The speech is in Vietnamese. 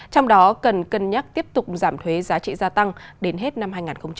trong đó cần cân nhắc tiếp tục giảm thuế giá trị gia tăng đến hết năm hai nghìn hai mươi